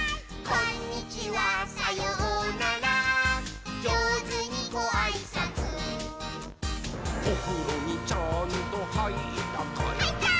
「こんにちはさようならじょうずにごあいさつ」「おふろにちゃんとはいったかい？」はいったー！